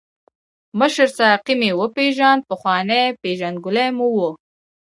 مشر ساقي مې وپیژاند، پخوانۍ پېژندګلوي مو وه.